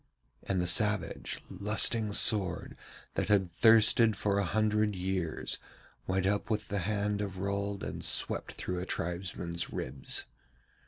And the savage, lusting sword that had thirsted for a hundred years went up with the hand of Rold and swept through a tribesman's ribs.